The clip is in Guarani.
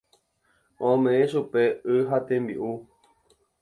Ome'ẽ chupe y ha tembi'u.